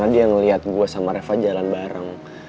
karena dia ngelihat gue sama reva jalan bareng